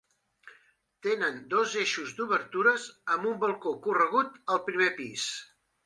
Tenen dos eixos d'obertures amb un balcó corregut al primer pis.